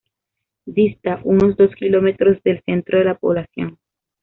Dista unos dos kilómetros del centro de la población.